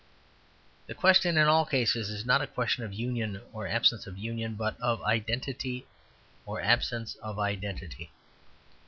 The question in all cases is not a question of union or absence of union, but of identity or absence of identity.